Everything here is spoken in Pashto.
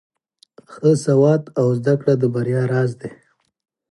ښه سواد او زده کړه د بریا راز دی.